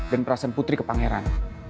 dan perasaan putri ke pangeran